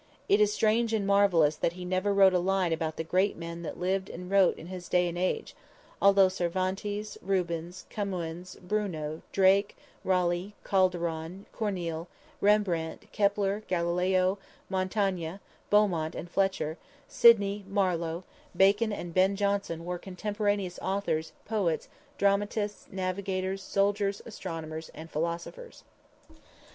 It is strange and marvelous that he never wrote a line about the great men that lived and wrote in his day and age, although Cervantes, Rubens, Camoens, Bruno, Drake, Raleigh, Calderon, Corneille, Rembrandt, Kepler, Galileo, Montaigne, Beaumont and Fletcher, Sidney, Marlowe, Bacon and Ben Jonson were contemporaneous authors, poets, dramatists, navigators, soldiers, astronomers and philosophers.